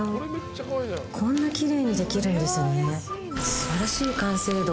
素晴らしい完成度。